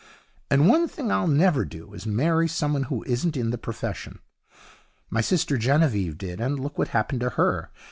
And one thing I'll never do is marry someone who isn't in the profession. My sister Genevieve did, and look what happened to her.